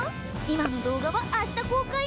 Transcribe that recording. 今の動画は明日公開！